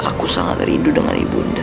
aku sangat rindu dengan ibu unda